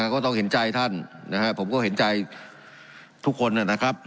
ก็ต้องเห็นใจท่านนะครับผมก็เห็นใจทุกคนนะครับ